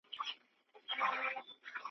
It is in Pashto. دلته دي د غرو لمني زموږ کېږدۍ دي پکښي پلني ,